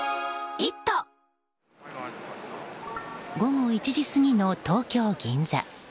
午後１時過ぎの東京・銀座。